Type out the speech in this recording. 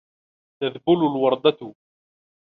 تَذْبُلُ الْوَرْدَةُ.